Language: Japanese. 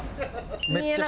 めっちゃ下。